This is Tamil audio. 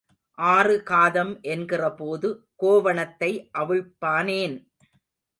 ஆறு காதம் என்கிறபோது கோவணத்தை அவிழ்ப்பானேன்?